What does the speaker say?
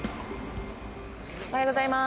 おはようございます！